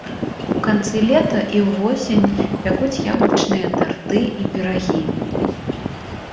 У канцы лета і ўвосень пякуць яблычныя тарты і пірагі.